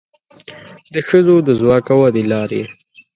د ښځو د ځواک او ودې لارې